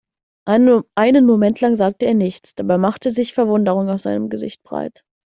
Einen Moment lang sagte er nichts, dabei machte sich Verwunderung auf seinem Gesicht breit.